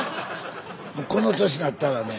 この年なったらね。